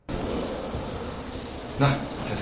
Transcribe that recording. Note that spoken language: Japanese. なっ先生。